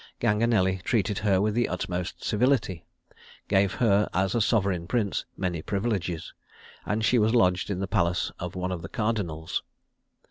Ganganelli treated her with the utmost civility gave her, as a sovereign prince, many privileges and she was lodged in the palace of one of the cardinals.